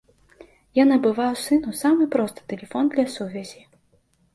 Я набываў сыну самы просты тэлефон для сувязі.